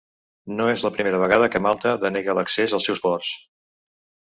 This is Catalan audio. No és la primera vegada que Malta denega l’accés als seus ports.